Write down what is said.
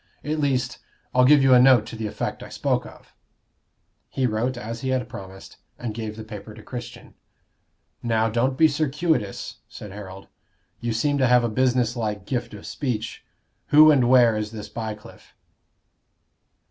"At least, I'll give you a note to the effect I spoke of." He wrote as he had promised, and gave the paper to Christian. "Now, don't be circuitous," said Harold. "You seem to have a business like gift of speech. Who and where is this Bycliffe?"